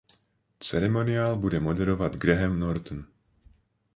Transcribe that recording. Ceremoniál bude moderovat Graham Norton.